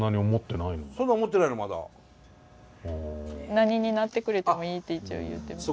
何になってくれてもいいって一応言ってます。